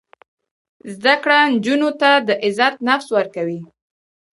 زده کړه نجونو ته د عزت نفس ورکوي.